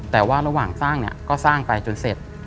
แต่ว่าระหว่างสร้างเนี่ยก็สร้างไปจนเสร็จ